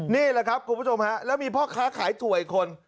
นี่แหละครับคุณผู้ชมฮะแล้วมีพ่อค้าขายถั่วอีกคน